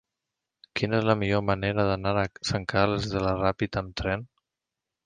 Quina és la millor manera d'anar a Sant Carles de la Ràpita amb tren?